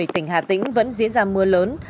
tỉnh hà tĩnh vẫn diễn ra mưa lớn